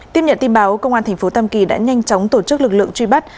tiếp nhận tin báo công an tp tam kỳ đã nhanh chóng tổ chức lực lượng truy bắt